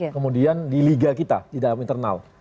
kemudian di liga kita di dalam internal